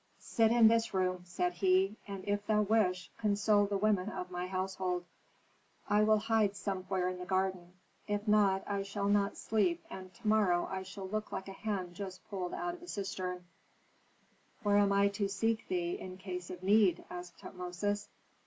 "Sit in this room," said he, "and if thou wish, console the women of my household. I will hide somewhere in the garden; if not, I shall not sleep and to morrow I shall look like a hen just pulled out of a cistern." "Where am I to seek thee in case of need?" asked Tutmosis.